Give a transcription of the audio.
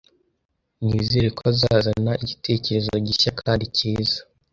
Nizere ko azazana igitekerezo gishya kandi cyiza